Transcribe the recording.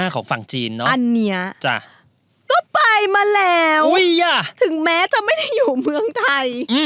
ของฝั่งจีนเนอะอันนี้ก็ไปมาแล้วถึงแม้จะไม่ได้อยู่เมืองไทย